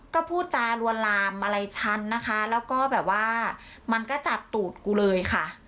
ก็พูดจารวนลามอะไรฉันนะคะแล้วก็แบบว่ามันก็จับตูดกูเลยค่ะ